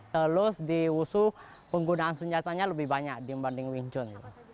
terus di wushu penggunaan senjatanya lebih banyak dibanding wing chun